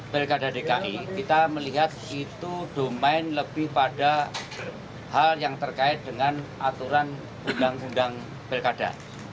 pilkada dki kita melihat itu domain lebih pada hal yang terkait dengan aturan undang undang pilkada